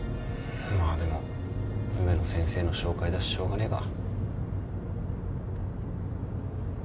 まあでも植野先生の紹介だししょうがねえか。